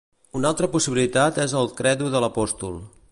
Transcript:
Una altra possibilitat és el Credo de l'Apòstol.